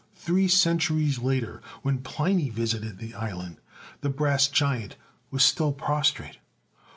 Three centuries later, when Pliny visited the island, the brass giant was still prostrate.